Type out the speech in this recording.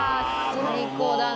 最高だね。